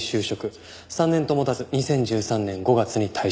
３年と持たず２０１３年５月に退社。